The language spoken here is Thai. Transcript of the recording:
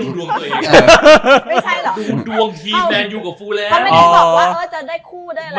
ดูดวงทีมแมนยูกับฟูแลม